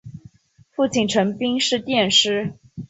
父亲陈彬是塾师。